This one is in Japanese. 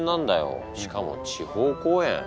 しかも地方公演。